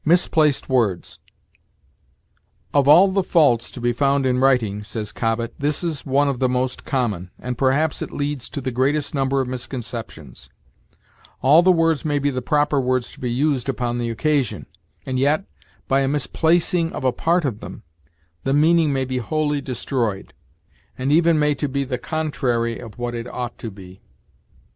MISPLACED WORDS. "Of all the faults to be found in writing," says Cobbett, "this is one of the most common, and perhaps it leads to the greatest number of misconceptions. All the words may be the proper words to be used upon the occasion, and yet, by a misplacing of a part of them, the meaning may be wholly destroyed; and even made to be the contrary of what it ought to be."